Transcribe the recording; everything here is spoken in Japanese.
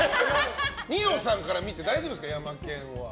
二葉さんから見て大丈夫ですか、ヤマケンは。